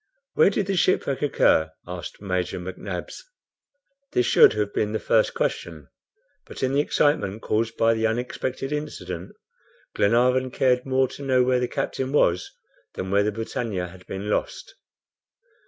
"Where did the shipwreck occur?" asked Major McNabbs. This should have been the first question, but in the excitement caused by the unexpected incident, Glenarvan cared more to know where the captain was, than where the BRITANNIA had been lost.